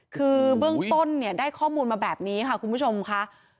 คือเบื้องต้นเนี่ยได้ข้อมูลมาแบบนี้ค่ะคุณผู้ชมค่ะ